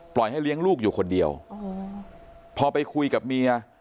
ให้เลี้ยงลูกอยู่คนเดียวพอไปคุยกับเมีย